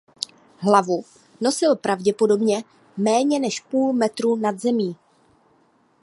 Hlavu nosil pravděpodobně méně než půl metru nad zemí.